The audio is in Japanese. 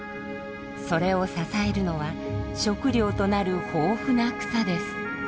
それを支えるのは食料となる豊富な草です。